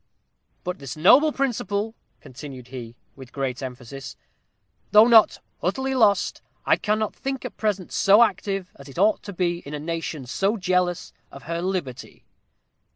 'But this noble principle,'" continued he, with great emphasis, "'though not utterly lost, I cannot think at present so active as it ought to be in a nation so jealous of her liberty.'"